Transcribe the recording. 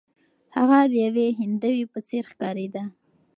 هغه د یوې هندوې په څیر ښکاریده.